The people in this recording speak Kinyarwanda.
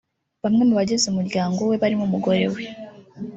Bamwe mu bagize umuryango we barimo umugore we